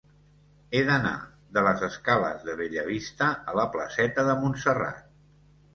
He d'anar de les escales de Bellavista a la placeta de Montserrat.